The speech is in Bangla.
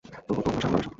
তো তোমরা সামলাও এসব।